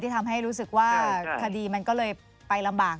ทำให้รู้สึกว่าคดีมันก็เลยไปลำบาก